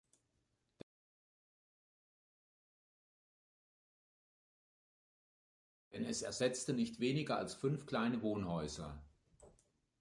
Denn es ersetzte nicht weniger als fünf kleine Wohnhäuser.